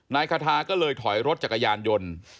นายคาทาก็เลยถอยรถจักรยานยนต์